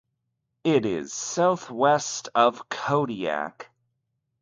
It is southwest of Kodiak.